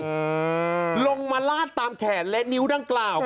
ลงมาลาดตามแขนและนิ้วดังกล่าว